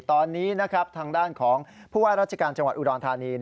ตอนนี้นะครับทางด้านของผู้ว่าราชการจังหวัดอุดรธานี